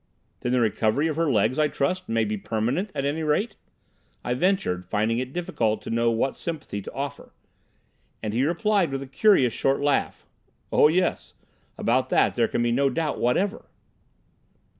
"Then the recovery of her legs, I trust, may be permanent, at any rate," I ventured, finding it difficult to know what sympathy to offer. And he replied with a curious short laugh, "Oh yes; about that there can be no doubt whatever."